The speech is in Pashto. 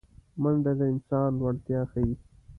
منډه د انسان لوړتیا ښيي